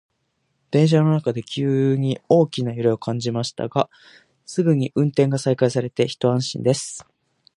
電車の中で急に大きな揺れを感じましたが、すぐに運転が再開されて一安心です。